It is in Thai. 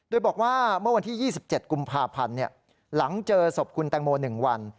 โดยบอกว่าเมื่อวันที่๒๗กุมภาพันธ์หลังเจอศพคุณแตงโม๑วัน